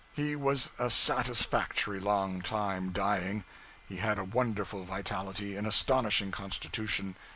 He was a satisfactory long time dying. He had a wonderful vitality, an astonishing constitution.